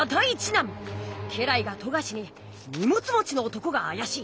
家来が富樫に「荷物もちの男があやしい。